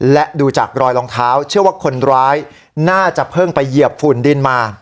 และดูจากรอยรองเท้าเชื่อว่าคนร้ายน่าจะเพิ่งไปเหยียบฝุ่นดินมา